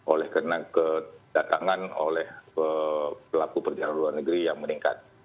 oleh karena kedatangan oleh pelaku perjalanan luar negeri yang meningkat